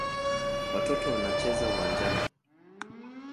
Watoto wanacheza uwanjani.